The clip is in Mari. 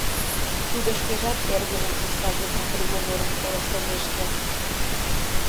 Тудо шкежат эргыжым пушташ лукмо приговорым колышт огеш керт.